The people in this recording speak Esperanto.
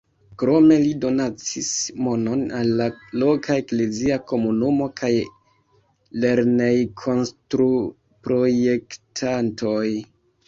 Krome li donacis monon al la loka eklezia komunumo kaj lernejkonstruprojektantoj.